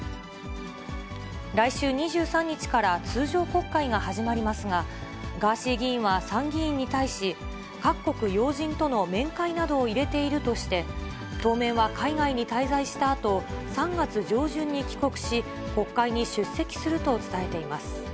来週２３日から通常国会が始まりますが、ガーシー議員は参議院に対し、各国要人との面会などを入れているとして、当面は海外に滞在したあと、３月上旬に帰国し、国会に出席すると伝えています。